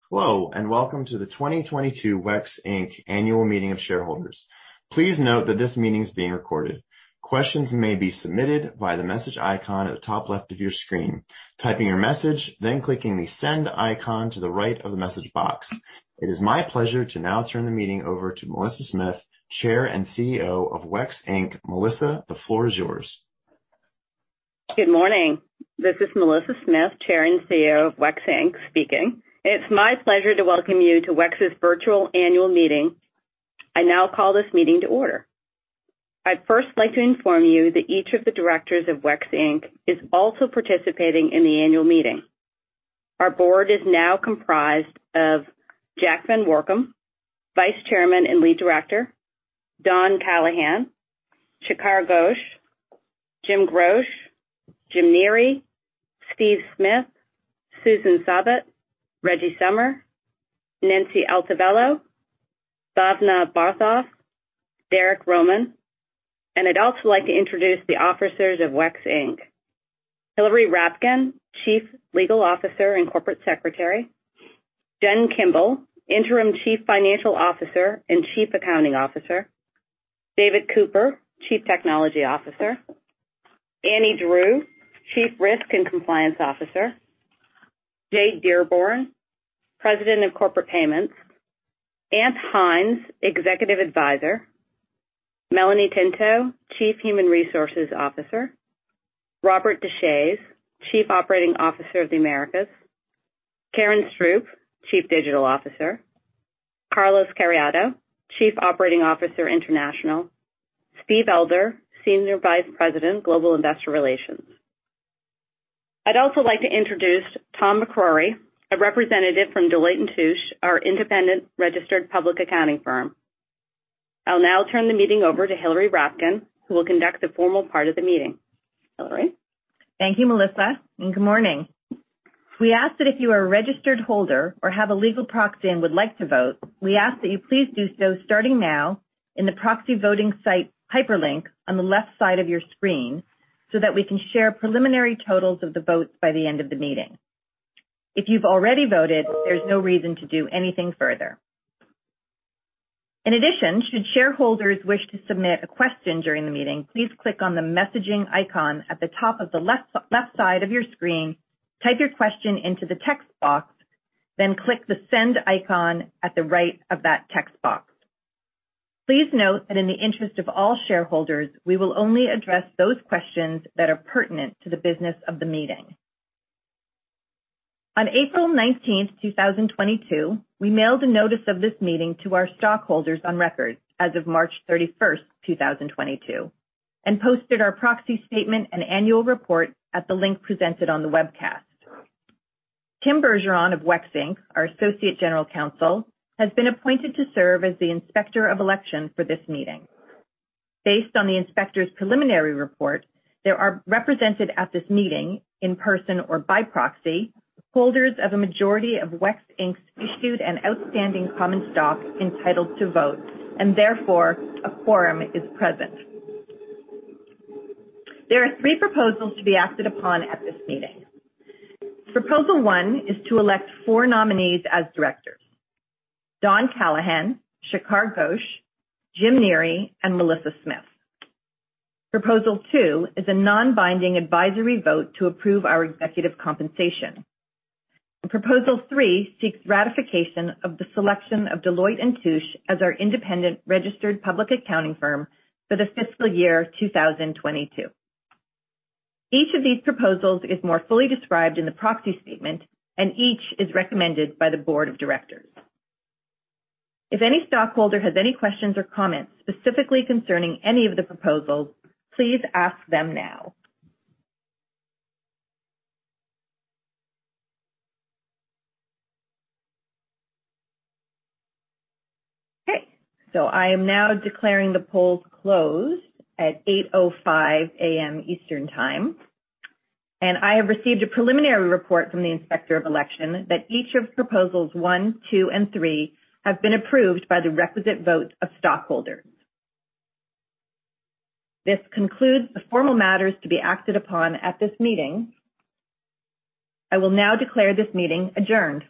Hello, and welcome to the 2022 WEX Inc. Annual Meeting of Shareholders. Please note that this meeting is being recorded. Questions may be submitted by the message icon at the top left of your screen, typing your message, then clicking the send icon to the right of the message box. It is my pleasure to now turn the meeting over to Melissa Smith, Chair and CEO of WEX Inc. Melissa, the floor is yours. Good morning. This is Melissa Smith, Chair and CEO of WEX Inc., speaking. It's my pleasure to welcome you to WEX's virtual annual meeting. I now call this meeting to order. I'd first like to inform you that each of the directors of WEX Inc. is also participating in the annual meeting. Our board is now comprised of Jack VanWoerkom, Vice Chairman and Lead Director, Daniel Callahan, Shikhar Ghosh, James Groch, James Neary, Stephen Smith, Susan Sobbott, Reggie Sommer, Nancy Altobello, Bhavana Bartholf, Roberto Simon. I'd also like to introduce the officers of WEX Inc. Hilary Rapkin, Chief Legal Officer and Corporate Secretary. Jennifer Kimball, Interim Chief Financial Officer and Chief Accounting Officer. David Cooper, Chief Technology Officer. Ann Drew, Chief Risk and Compliance Officer. Joel Dearborn, President of Corporate Payments. Anne Hines, Executive Advisor. Melanie Tinto, Chief Human Resources Officer. Robert Deshaies, Chief Operating Officer of the Americas. Karen Stroup, Chief Digital Officer. Carlos Carriedo, Chief Operating Officer, International. Steve Elder, Senior Vice President, Global Investor Relations. I'd also like to introduce Tom McCrory, a representative from Deloitte & Touche, our independent registered public accounting firm. I'll now turn the meeting over to Hilary Rapkin, who will conduct the formal part of the meeting. Hilary. Thank you, Melissa, and good morning. We ask that if you are a registered holder or have a legal proxy and would like to vote, we ask that you please do so starting now in the proxy voting site hyperlink on the left side of your screen, so that we can share preliminary totals of the votes by the end of the meeting. If you've already voted, there's no reason to do anything further. In addition, should shareholders wish to submit a question during the meeting, please click on the messaging icon at the top of the left side of your screen, type your question into the text box, then click the send icon at the right of that text box. Please note that in the interest of all shareholders, we will only address those questions that are pertinent to the business of the meeting. On April 19th, 2022, we mailed a notice of this meeting to our stockholders on record as of March 31st, 2022, and posted our proxy statement and annual report at the link presented on the webcast. Tim Bergeron of WEX Inc., our Associate General Counsel, has been appointed to serve as the Inspector of Election for this meeting. Based on the inspector's preliminary report, there are represented at this meeting, in person or by proxy, holders of a majority of WEX Inc.'s issued and outstanding common stock entitled to vote, and therefore a quorum is present. There are three proposals to be acted upon at this meeting. Proposal 1 is to elect four nominees as directors. Daniel Callahan, Shikhar Ghosh, James Neary, and Melissa Smith. Proposal two is a non-binding advisory vote to approve our executive compensation. Proposal three seeks ratification of the selection of Deloitte & Touche as our independent registered public accounting firm for the fiscal year 2022. Each of these proposals is more fully described in the proxy statement, and each is recommended by the board of directors. If any stockholder has any questions or comments, specifically concerning any of the proposals, please ask them now. Okay, so I am now declaring the polls closed at 8:05 A.M. Eastern Time. I have received a preliminary report from the Inspector of Election that each of proposals one, two, and three have been approved by the requisite votes of stockholders. This concludes the formal matters to be acted upon at this meeting. I will now declare this meeting adjourned.